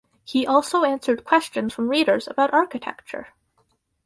He also answered questions from readers about architecture.